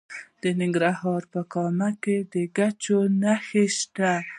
د ننګرهار په کامه کې د ګچ نښې شته.